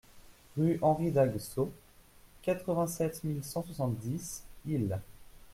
Rue Henri d'Aguesseau, quatre-vingt-sept mille cent soixante-dix Isle